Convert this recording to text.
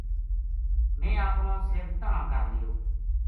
میں اپنو سِر تَنہا ں کر لیو